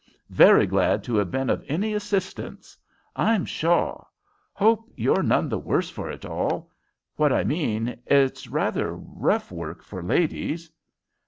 "Very glad to have been of any assistance, I'm Shaw. Hope you're none the worse for it all. What I mean, it's rather rough work for ladies."